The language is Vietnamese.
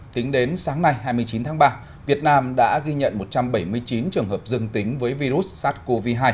tính đến sáng nay hai mươi chín tháng ba việt nam đã ghi nhận một trăm bảy mươi chín trường hợp dừng tính với virus sars cov hai